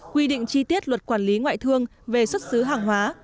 quy định chi tiết luật quản lý ngoại truyền